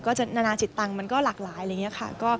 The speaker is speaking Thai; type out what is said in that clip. นานาจิตตังค์มันก็หลากหลายอะไรอย่างนี้ค่ะ